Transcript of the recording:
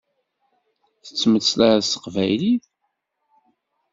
Tettmeslayeḍ s teqbaylit.